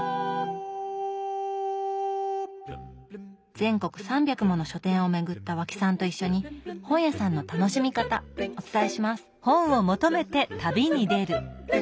全国３００もの書店を巡った和氣さんと一緒に本屋さんの楽しみ方お伝えします！